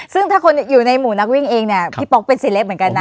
ซึ่งถ้าคนอยู่ในหมู่นักวิ่งเองเนี่ยพี่ป๊อกเป็นเซเลปเหมือนกันนะ